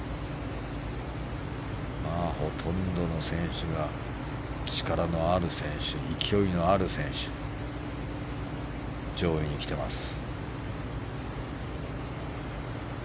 ほとんどの選手が力のある選手勢いのある選手が上位に来ています。